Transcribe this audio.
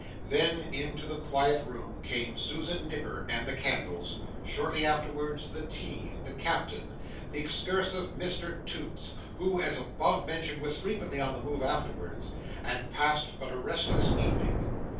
Then into the quiet room came Susan Nipper and the candles; shortly afterwards, the tea, the Captain, and the excursive Mr Toots, who, as above mentioned, was frequently on the move afterwards, and passed but a restless evening.